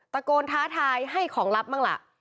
ตะโกนท้าทายให้ของลับบ้างล่ะ